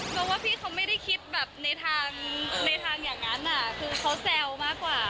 เพราะว่าพี่เขาไม่ได้คิดแบบในทางอย่างนั้นคือเขาแซวมากกว่า